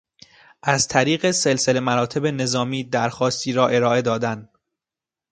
از طریق سلسله مراتب نظامی درخواستی را ارائه دادن